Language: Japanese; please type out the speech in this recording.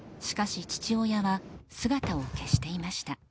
しかし父親は姿を消していました。